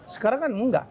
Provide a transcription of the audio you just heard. sekarang kan enggak